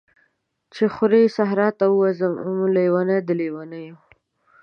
چی خوری صحرا ته ووځم، لیونۍ د لیونیو